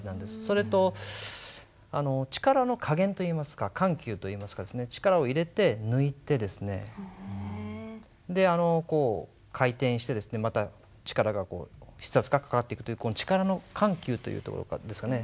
それと力の加減といいますか緩急といいますか力を入れて抜いてこう回転してまた筆圧がかかっていくという力の緩急というところですかね。